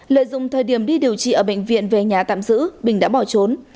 lợi dụng thời điểm đi điều trị ở bệnh viện về nhà tạm giữ bình đã bỏ trốn